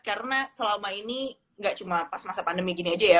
karena selama ini nggak cuma pas masa pandemi gini aja ya